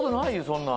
そんな。